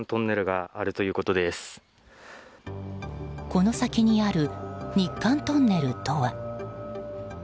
この先にある日韓トンネルとは。